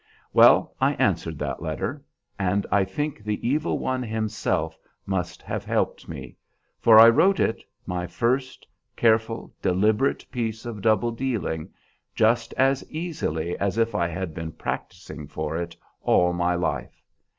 Well, I answered that letter; and I think the evil one himself must have helped me, for I wrote it, my first careful, deliberate piece of double dealing, just as easily as if I had been practicing for it all my life.